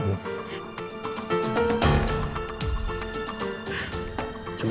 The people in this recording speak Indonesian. sekarang gue pengen denger lo